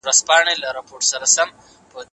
که وخت وي، کالي مينځم.